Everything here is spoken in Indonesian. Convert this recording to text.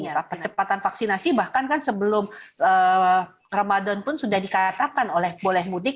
ya percepatan vaksinasi bahkan kan sebelum ramadan pun sudah dikatakan oleh boleh mudik